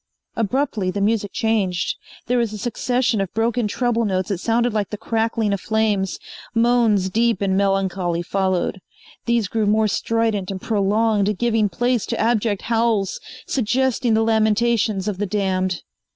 Abruptly the music changed. There was a succession of broken treble notes that sounded like the crackling of flames. Moans deep and melancholy followed. These grew more strident and prolonged, giving place to abject howls, suggesting the lamentations of the damned.